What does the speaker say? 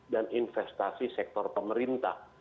dan investasi sektor pemerintah